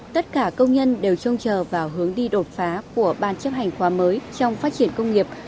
tất cả công nhân đều trông chờ vào hướng đi đột phá của ban chấp hành khoa mới trong phát triển công nghiệp